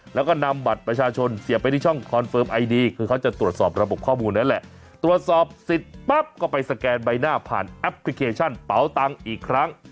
แล้วก็นำบัตรประชาชนเสียไปที่ช่องคอนเฟิร์มไอดีคือเขาจะตรวจสอบระบบข้อมูลนั้นแหละตรวจสอบสิทธิ์ปั๊บก็ไปสแกนใบหน้าผ่านแอปพลิเคชันเป๋าตังค์อีกครั้ง